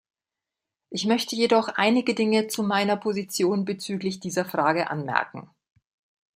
Ich möchte jedoch einige Dinge zu meiner Position bezüglich dieser Frage anmerken.